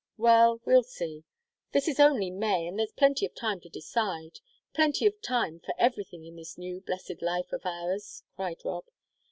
"Well, we'll see; this is only May, and there's plenty of time to decide plenty of time for everything in this new, blessed life of ours!" cried Rob.